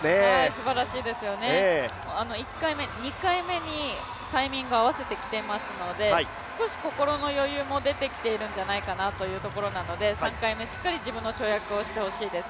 すばらしいですよね、１回目、２回目にタイミング合わせてきてますので少し心の余裕も出てきているんじゃないかなというところなので、３回目、しっかり自分の跳躍をしてほしいです。